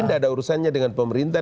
tidak ada urusannya dengan pemerintah